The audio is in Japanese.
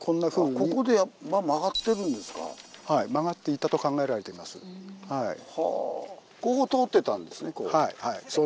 ここ通ってたんですねこう。